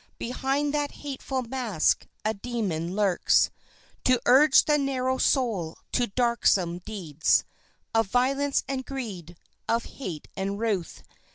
Behind that hateful mask a demon lurks To urge the narrow soul to darksome deeds Of violence and greed, of hate and ruth.